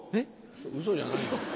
ウソじゃないよ。